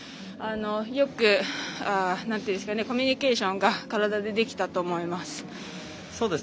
よくコミュニケーションが体でできたと思います。